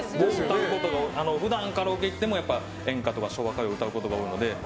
普段カラオケに行っても演歌とか昭和歌謡を歌うことが多いので。